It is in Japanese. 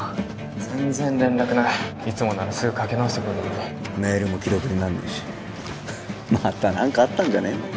全然連絡ないいつもならすぐかけ直してくるのにメールも既読になんねえしまた☎何かあったんじゃねえの？